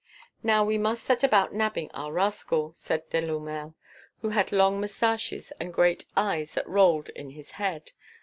"Now we must set about nabbing our rascal," said Delourmel, who had long moustaches and great eyes that rolled in his head.